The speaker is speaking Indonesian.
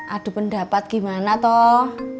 adu pendapat gimana toh